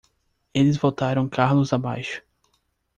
Eles votaram Carlos abaixo!